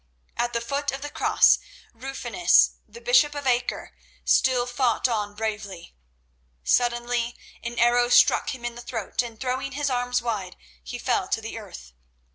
At the foot of the Cross, Rufinus, the bishop of Acre, still fought on bravely. Suddenly an arrow struck him in the throat, and throwing his arms wide, he fell to earth.